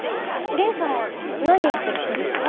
凛さんは何やってる人ですか？